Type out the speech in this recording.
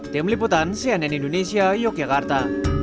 tim liputan cnn indonesia yogyakarta